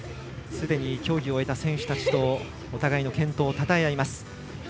すでに競技を終えた選手たちとお互いの健闘をたたえ合います。